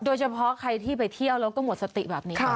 โดยเฉพาะใครที่ไปเที่ยวแล้วก็หมดสติแบบนี้